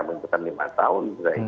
mengetahui lima tahun